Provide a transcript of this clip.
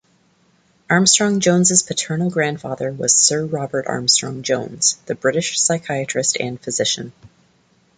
Armstrong-Jones's paternal grandfather was Sir Robert Armstrong-Jones, the British psychiatrist and physician.